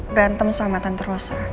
berantem sama tante rosa